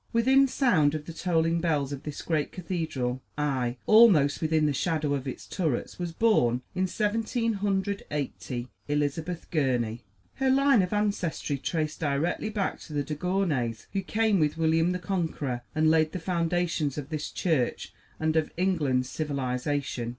Within sound of the tolling bells of this great cathedral, aye, almost within the shadow of its turrets, was born, in Seventeen Hundred Eighty, Elizabeth Gurney. Her line of ancestry traced directly back to the De Gournays who came with William the Conqueror, and laid the foundations of this church and of England's civilization.